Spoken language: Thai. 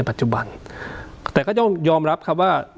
แต่ค่ะครับก็ยอมรับว่า